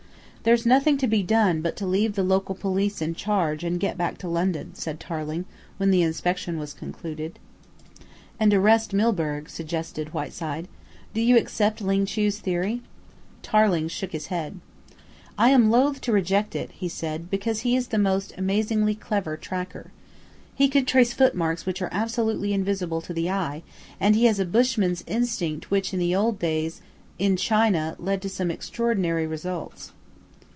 "There's nothing to be done but to leave the local police in charge and get back to London," said Tarling when the inspection was concluded. "And arrest Milburgh," suggested Whiteside. "Do you accept Ling Chu's theory?" Tarling shook his head. "I am loath to reject it," he said, "because he is the most amazingly clever tracker. He can trace footmarks which are absolutely invisible to the eye, and he has a bushman's instinct which in the old days in China led to some extraordinary results."